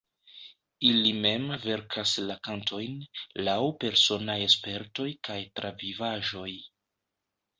Ili mem verkas la kantojn, laŭ personaj spertoj kaj travivaĵoj.